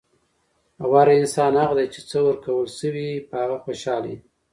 غوره انسان هغه دئ، چي څه ورکول سوي يي؛ په هغه خوشحال يي.